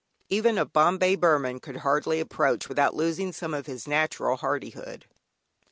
Even a "Bombay Burman" could hardly approach, without losing some of his natural hardihood.